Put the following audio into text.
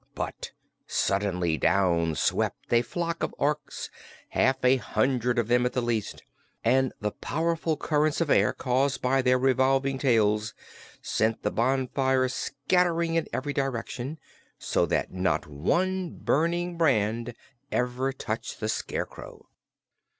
But suddenly down swept a flock of Orks, half a hundred of them at the least, and the powerful currents of air caused by their revolving tails sent the bonfire scattering in every direction, so that not one burning brand ever touched the Scarecrow.